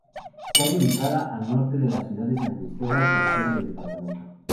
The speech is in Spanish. Se halla ubicada al norte de la ciudad de San Cristóbal, cabecera del departamento.